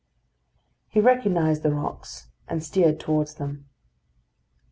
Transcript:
He recognised the rocks, and steered towards them.